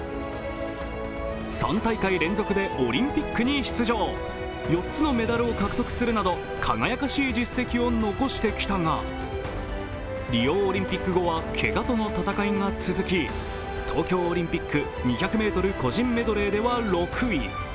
３大会連続でオリンピックに出場、４つのメダルを獲得するなど輝かしい実績を残してきたがリオオリンピック後はけがとの戦いが続き、東京オリンピック２００ｍ個人メドレーでは６位。